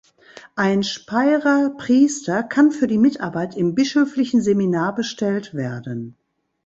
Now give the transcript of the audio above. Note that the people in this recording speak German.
Ein Speyrer Priester kann für die Mitarbeit im Bischöflichen Seminar bestellt werden.